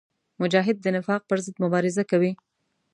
مجاهد د نفاق پر ضد مبارزه کوي.